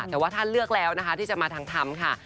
แต่ว่าท่านเลือกแล้วนะคะที่จะมาทางธรรมค่ะ